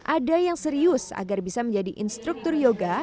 ada yang serius agar bisa menjadi instruktur yoga